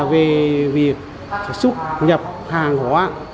về việc súc nhập hàng hóa